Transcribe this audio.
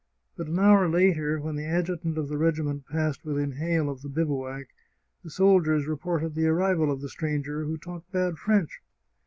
But an hour later, when the adjutant of the regiment passed within hail of the biv ouac, the soldiers reported the arrival of the stranger who talked bad French.